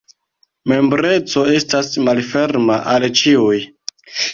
Membreco estas malferma al ĉiuj.